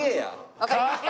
わかりました。